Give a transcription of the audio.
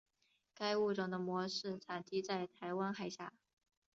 该物种的模式产地在台湾海峡。